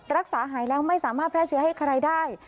รักษาหายแล้วไม่สามารถแพร่เชื้อให้ใครได้